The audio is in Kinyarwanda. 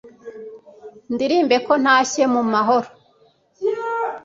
ndirimbe ko ntashye mu ma horo